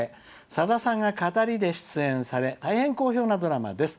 さださんが語りで出演され大変好評なドラマです。